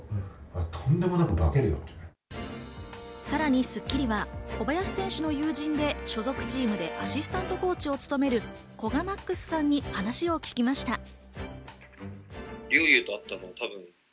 さらに『スッキリ』は小林選手の友人で所属チームでアシスタントコーチを務める古賀極さんに話を聞きました。